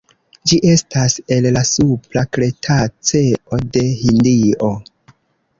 Ĝi estas el la supra kretaceo de Hindio.